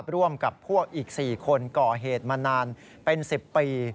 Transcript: ร่วมกับพวกอีก๔คนก่อเหตุมานานเป็น๑๐ปี